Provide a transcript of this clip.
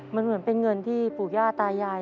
มันเหมือนเป็นเงินที่ปู่ย่าตายาย